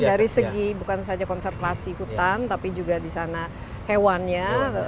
dari segi bukan saja konservasi hutan tapi juga di sana hewannya